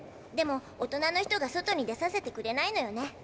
でも大人のひとが外に出させてくれないのよね。